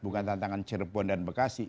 bukan tantangan cirebon dan bekasi